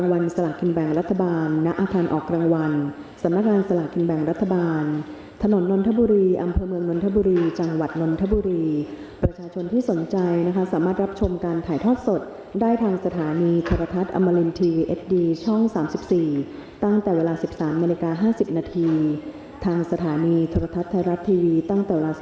๕๐นาทีทางสถานีธรรมทัศน์ไทยรัฐทีวีตั้งแต่วัน๑๔นาฬิกา